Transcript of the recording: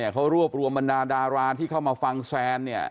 เขารวบรวมบรรดาดาราที่เข้ามาฟังแซนเนี่ย